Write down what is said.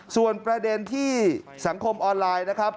ส่วนประเด็นที่สังคมออนไลน์นะครับ